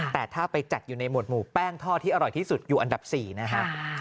แต่ถ้าไปจัดอยู่ในหวดหมูแป้งทอดที่อร่อยที่สุดอยู่อันดับ๔นะฮะ